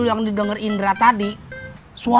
bareng tinggal kita